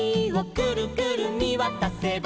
「くるくるみわたせば」